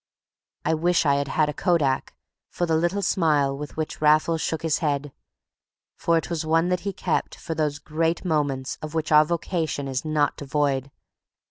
I wish I had had a Kodak for the little smile with which Raffles shook his head, for it was one that he kept for those great moments of which our vocation is not devoid.